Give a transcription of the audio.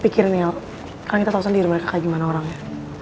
pikirin nih el kan kita tau sendiri mereka kayak gimana orangnya